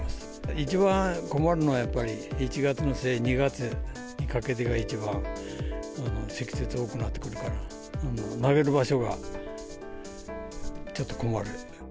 一番困るのはやっぱり、１月の末、２月にかけてが一番、積雪が多くなってくるから、投げる場所が、ちょっと困る。